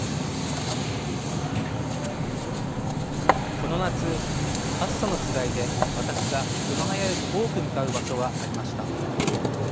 この夏、暑さの取材で私が、熊谷より多く向かう場所がありました。